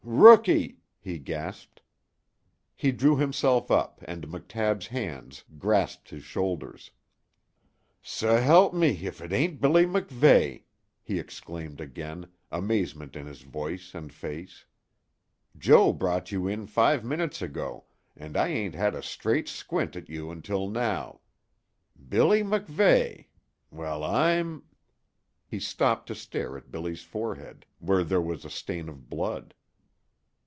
"Rookie!" he gasped. He drew himself up, and McTabb's hands grasped his shoulders. "S'help me, if it ain't Billy MacVeigh!" he exclaimed again, amazement in his voice and face. "Joe brought you in five minutes ago, and I ain't had a straight squint at you until now. Billy MacVeigh! Well, I'm " He stopped to stare at Billy's forehead, where there was a stain of blood.